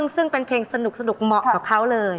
ซึ่งเป็นเพลงสนุกเหมาะกับเขาเลย